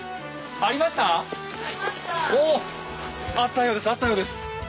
あったようですあったようです。